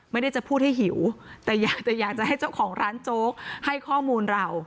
ไม่ได้จะพูดให้หิวแต่อยากจะอยากจะให้เจ้าของร้านโจ๊กให้ข้อมูลเรา